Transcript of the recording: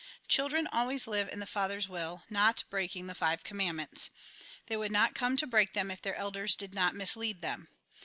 Children always live in the Father's will, not breaking the five commandments. They would not come to break them if their elders did not mislead them.